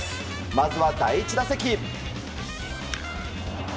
まずは第１打席。